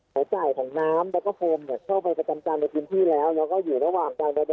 จ่ายของน้ำแล้วก็โฟมเนี่ยเข้าไปประจำการในพื้นที่แล้วแล้วก็อยู่ระหว่างการระบาย